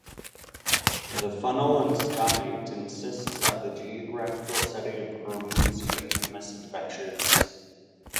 "The Funnel and Stamate" insists on the geographical setting of Urmuzian misadventures.